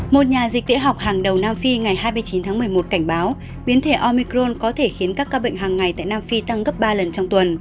một nhà dịch tễ học hàng đầu nam phi ngày hai mươi chín tháng một mươi một cảnh báo biến thể omicron có thể khiến các ca bệnh hàng ngày tại nam phi tăng gấp ba lần trong tuần